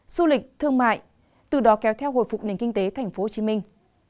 du lịch thương mại từ đó kéo theo hồi phục nền kinh tế thành phố hồ chí minh